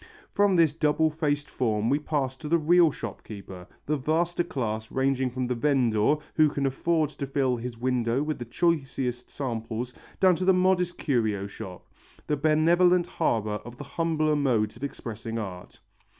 From this double faced form we pass to the real shopkeeper, the vaster class ranging from the vendor who can afford to fill his window with the choicest samples down to the modest curio shop, the benevolent harbour of the humbler modes of expressing art.